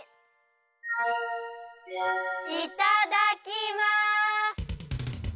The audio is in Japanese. いただきます！